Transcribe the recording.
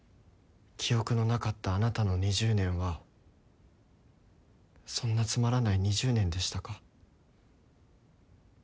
記憶のなかったあなたの２０年はそんなつまらない２０年でしたか？